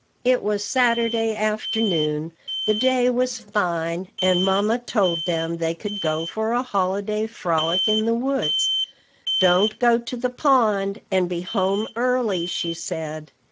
It was Saturday afternoon: the day was fine, and mamma told them they could go for a holiday frolic in the woods. "Don't go to the pond, and be home early," she said.